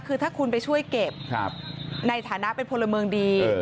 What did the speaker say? คือถ้าคุณไปช่วยเก็บในฐานะเป็นพลเมืองดี